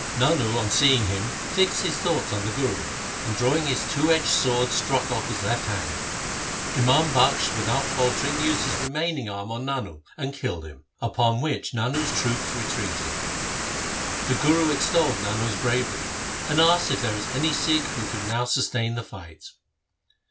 Nano on seeing him fixed his thoughts on the Guru, and drawing his two edged sword struck off his left hand. Imam Bakhsh without faltering used his remaining arm on Nano and killed him, upon which Nano's troops retreated. The Guru extolled Nano's bravery, and asked if there was any Sikh who could now sustain the fight.